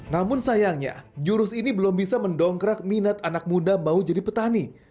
namun sayangnya jurus ini belum bisa mendongkrak minat anak muda mau jadi petani